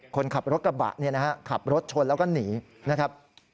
คนขับรถกระบะเนี่ยนะฮะขับรถชนแล้วก็หนีนะครับ